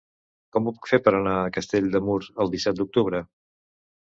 Com ho puc fer per anar a Castell de Mur el disset d'octubre?